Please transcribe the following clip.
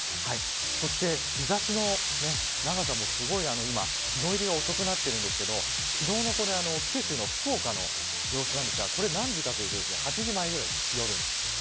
そして、日差しの長さも日の入りが遅くなっているんですけど昨日の九州の福岡の様子なんですがこれ何時かというと８時前ぐらいです、夜の。